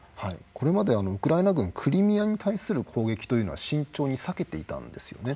これまで、ウクライナ軍クリミアに対する攻撃というのは慎重に避けていたんですよね。